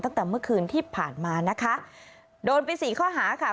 ตั้งแต่เมื่อคืนที่ผ่านมานะคะโดนไปสี่ข้อหาค่ะ